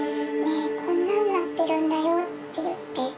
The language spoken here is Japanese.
「ねえこんなんなってるんだよ」って言って。